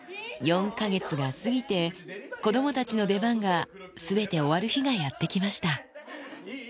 ４か月が過ぎて、子どもたちの出番がすべて終わる日がやって来ました。